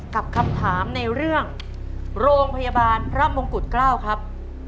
กับคำถามในเรื่องโรงพยาบาลพระมงกุฎเกล้าครับ